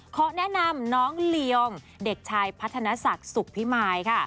ขอแนะนำน้องเลียงเด็กชายพัฒนศักดิ์สุขพิมายค่ะ